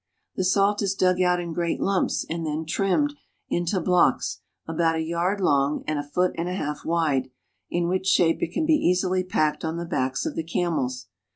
The salt is dug out in great lumps and then trimmed into blocks, about a yard long and a foot and a half wide, in which shape it can be easily packed on the backs of the camels.